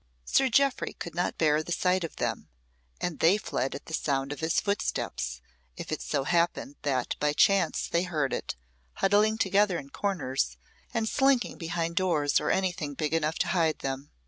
Sir Jeoffry could not bear the sight of them, and they fled at the sound of his footsteps, if it so happened that by chance they heard it, huddling together in corners, and slinking behind doors or anything big enough to hide them.